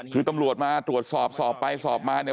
คือตำรวจมาตรวจสอบสอบไปสอบมาเนี่ย